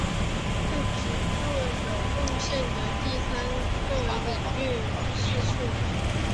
对群论有贡献的第三个领域是数论。